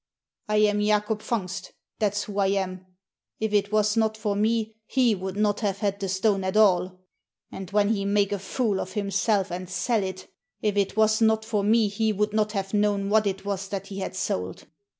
" I am Jacob Fungst, that's who I am. If it was not for me he would not have had the stone at all. And when he make a fool of himself and sell it — if it was not for me he would not have known what it was that hfe had sold.